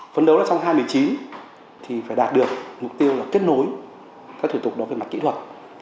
phấn đấu là trong hai nghìn một mươi chín thì phải đạt được mục tiêu là kết nối các thủ tục đó về mặt kỹ thuật